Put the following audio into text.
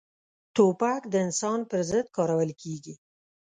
توپک د انسان پر ضد کارول کېږي.